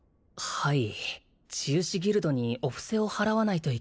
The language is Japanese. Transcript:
はい？